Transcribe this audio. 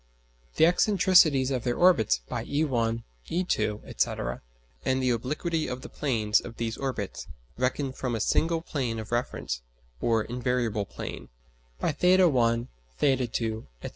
the excentricities of their orbits by e_1, e_2, &c. and the obliquity of the planes of these orbits, reckoned from a single plane of reference or "invariable plane," by [theta]_1, [theta]_2, &c.